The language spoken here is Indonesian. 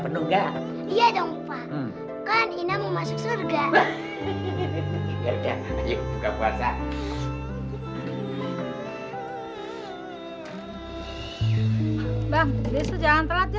enak sih kerupuknya